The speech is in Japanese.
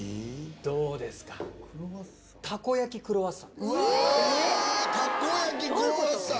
どうですか、たこ焼きクロワッサン。